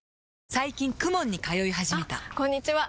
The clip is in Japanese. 最近 ＫＵＭＯＮ に通い始めたあこんにちは！